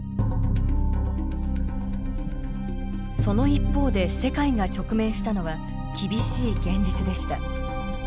その一方で、世界が直面したのは厳しい現実でした。